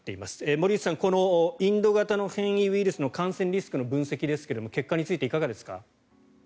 森内さん、インド型の変異ウイルスの感染リスクの分析ですが結果について、いかがですか。